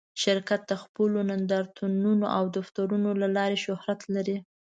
شرکت د خپلو نندارتونونو او دفترونو له لارې شهرت لري.